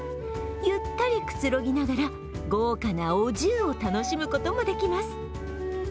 ゆったりくつろぎながら豪華なお重を楽しむことも出来ます。